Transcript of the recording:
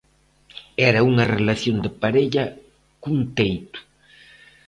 Era unha relación de parella cun teito.